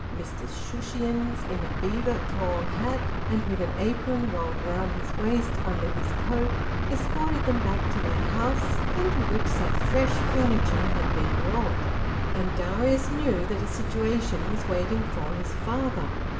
Mr Shushions, in a beaver tall hat and with an apron rolled round his waist under his coat, escorted them back to their house, into which some fresh furniture had been brought. And Darius knew that a situation was waiting for his father.